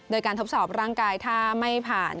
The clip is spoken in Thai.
โดยการทดสอบร่างกายถ้าไม่ผ่าน